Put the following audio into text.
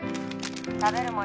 食べるもの